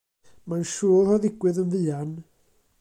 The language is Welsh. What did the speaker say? Mae'n siŵr o ddigwydd yn fuan.